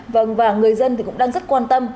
vâng và người dân thì cũng đang rất quan tâm